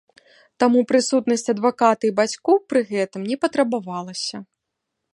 Таму прысутнасць адваката і бацькоў пры гэтым не патрабавалася.